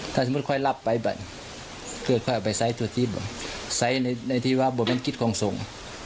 ถ้าสมมุติค่อยรับไปคือค่อยออกไปใส่ตัวที่ใส่ในที่ว่าบอกมันคิดของส่ง